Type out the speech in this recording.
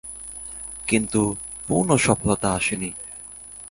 কিন্তু পূর্ণ সফলতা আসেনি।